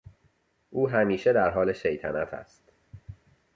او همیشه در حال شیطنت است.